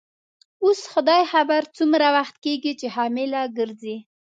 اوس خدای خبر څومره وخت کیږي چي حامله ګرځې.